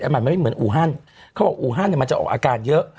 มันมันไม่เหมือนอูฮันเขาบอกอูฮันเนี่ยมันจะออกอาการเยอะ